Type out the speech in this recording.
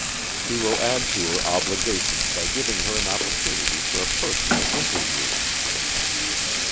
He will add to her obligations by giving her an opportunity for a personal interview."